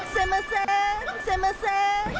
เซมเมอเซเซมเมอเซ